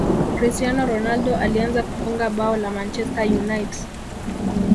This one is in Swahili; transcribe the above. cristiano ronaldo alianza kufunga bao la manchester unite